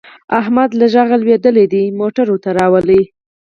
احمد له غږه لوېدلی دی؛ ګاډی ورته راولي.